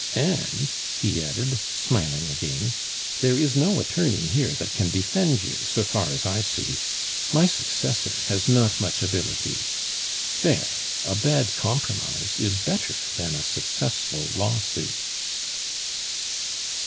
And," he added, smiling again, "there is no attorney here that can defend you, so far as I see. My successor has not much ability. There, a bad compromise is better than a successful lawsuit."